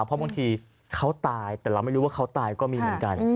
เพราะบางทีเขาตายแต่เราไม่รู้ว่าเขาตายก็มีเหมือนกัน